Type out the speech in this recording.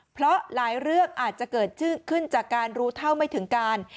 เพราะหลายเรื่องอาจจะเกิดขึ้นจากการรู้เท่าไม่ถึงการ